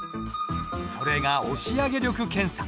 それが押上力検査。